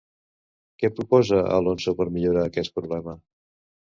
Què proposa Alonso per millorar aquest problema?